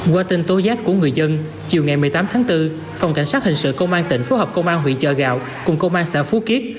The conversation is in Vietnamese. qua tin tố giác của người dân chiều ngày một mươi tám tháng bốn phòng cảnh sát hình sự công an tỉnh phối hợp công an huyện chợ gạo cùng công an xã phú kiếp